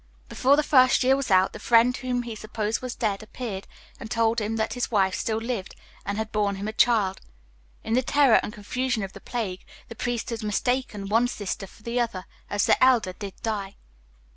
Before the first year was out, the friend whom he supposed was dead appeared, and told him that his wife still lived, and had borne him a child. In the terror and confusion of the plague, the priest had mistaken one sister for the other, as the elder did die."